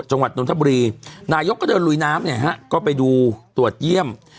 จังหวัดนทบุรีนายกก็เดินลุยน้ำเนี่ยฮะก็ไปดูตรวจเยี่ยม